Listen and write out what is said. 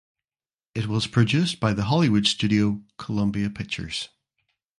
It was produced by the Hollywood studio Columbia Pictures.